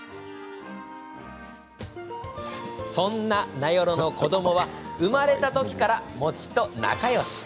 そんな名寄の子どもは生まれたときから餅と仲よし。